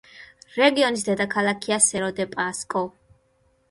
რეგიონის დედაქალაქია სერო-დე-პასკო.